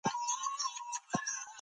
پښتانه جنګیالي په هر میدان کې بریالي دي.